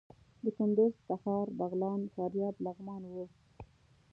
د کندوز، تخار، بغلان، فاریاب، لغمان وو.